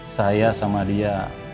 saya sama dia